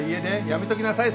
やめときなさい。